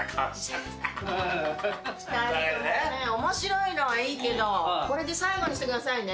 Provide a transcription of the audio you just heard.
２人ともね面白いのはいいけどこれで最後にしてくださいね。